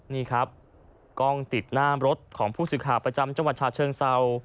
นี่ครับกล้องติดหน้ารถของผู้ศึกษาประจำจังหวัดชะเชิงเซา